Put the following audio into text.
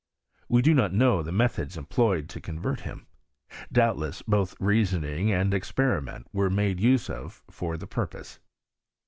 We do not know the methods em ployed to convert him. Doubtless both reasoning Jlnd experiment were made use of for the purpose.